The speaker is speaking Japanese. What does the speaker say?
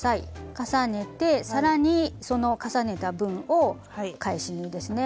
重ねて更にその重ねた分を返し縫いですね。